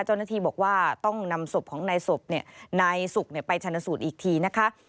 เจ้าหน้าที่บอกว่าต้องนำศพของนายสุกไปชนสูตรอีกทีนะคะ